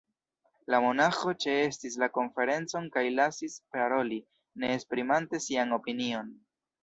La monaĥo ĉeestis la konferencon kaj lasis paroli, ne esprimante sian opinion.